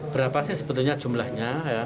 berapa sih sebetulnya jumlahnya